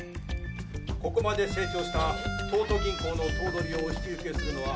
「ここまで成長した東都銀行の頭取をお引き受けするのは」。